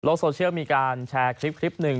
โซเชียลมีการแชร์คลิปหนึ่ง